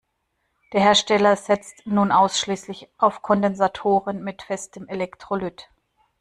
Der Hersteller setzt nun ausschließlich auf Kondensatoren mit festem Elektrolyt.